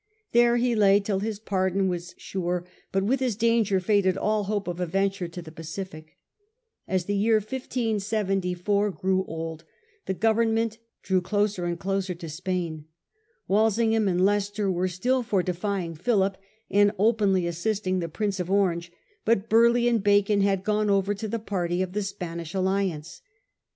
^ There he lay till his pardon was sure, but with his danger faded all hope of a venture to the Pacific. As the year 1574 grew old the Government drew closer and closer to Spain. "Walsingham and Leicester were still for defying Philip, and openly assisting the Prince of Orange ; but Burleigh and Bacon had gone over to the party of the Spanish alliance.